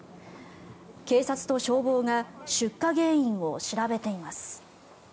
警察と消防が出火原因を調べています。